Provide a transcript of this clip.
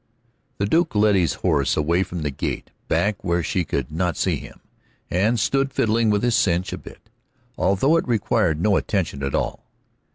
The Duke led his horse away from the gate, back where she could not see him, and stood fiddling with his cinch a bit, although it required no attention at all.